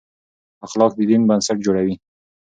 اخلاق د دین بنسټ جوړوي.